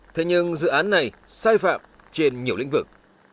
thế nhưng dự án này sai phạm trên nhiều lĩnh vực